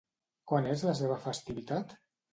Quan és la seva festivitat?